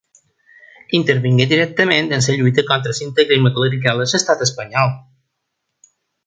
Intervingué directament en la lluita contra l'integrisme clerical a l'estat espanyol.